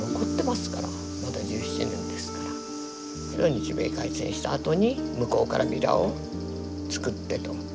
日米開戦したあとに向こうからビラを作ってと。